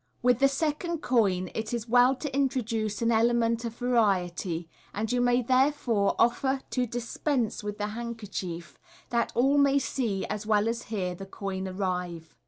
With the second coin it is well to introduce an element of variety, and you may therefore offer to dispense with the handkerchief, that all may see as well as hear the coin arrive.